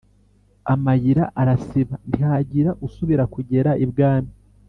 Amayira arasiba, ntihagira usubira kugera ibwami